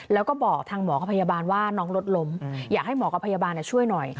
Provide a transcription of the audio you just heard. แล้วก็บอกทางหมอกับพยาบาลว่าน้องรถล้มอยากให้หมอกับพยาบาลช่วยหน่อย